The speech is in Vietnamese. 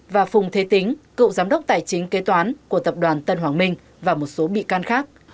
và phùng thế tính cựu giám đốc tài chính kế toán của tập đoàn tân hoàng minh và một số bị can khác